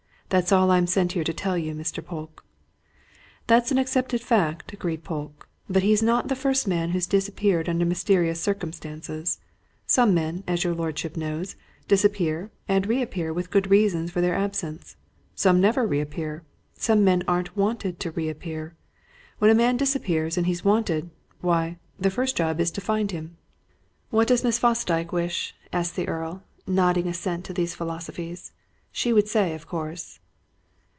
"That's all I'm sent here to tell you, Mr. Polke." "That's an accepted fact," agreed Polke. "But he's not the first man who's disappeared under mysterious circumstances. Some men, as your lordship knows, disappear and reappear with good reasons for their absence. Some never reappear. Some men aren't wanted to reappear. When a man disappears and he's wanted why, the job is to find him." "What does Miss Fosdyke wish?" asked the Earl, nodding assent to these philosophies. "She would say, of course."